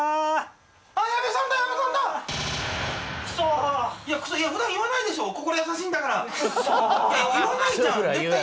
普段言わないでしょ